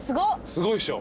すごいっしょ？